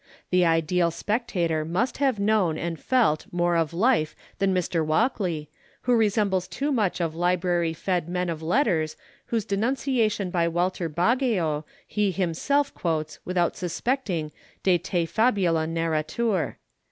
The ideal spectator must have known and felt more of life than Mr. Walkley, who resembles too much the library fed man of letters whose denunciation by Walter Bagehot he himself quotes without suspecting de te fabula narratur.